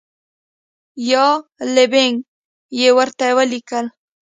یا لبیک! یې ورته ولیکل.